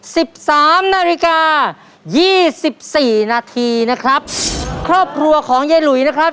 สิบสามนาฬิกายี่สิบสี่นาทีนะครับครอบครัวของยายหลุยนะครับ